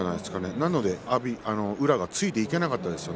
なので宇良がついていけなかったですよね。